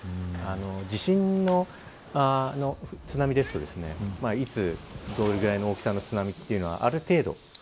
地震の津波ですといつ、どれぐらいの大きさの津波というのはある程度。